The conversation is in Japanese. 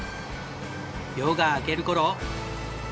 夜が明ける頃。